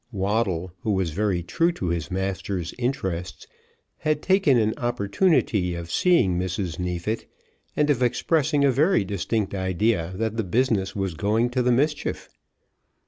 Waddle, who was very true to his master's interests, had taken an opportunity of seeing Mrs. Neefit, and of expressing a very distinct idea that the business was going to the mischief.